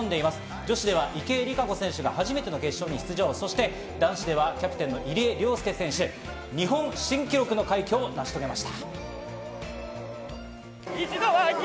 女子では池江璃花子選手が初めての決勝に出場、男子ではキャプテンの入江選手が出場し、日本新記録の快挙を成し遂げています。